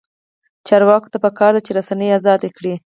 چارواکو ته پکار ده چې، رسنۍ ازادې کړي.